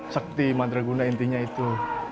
sakti mantra guna intinya itu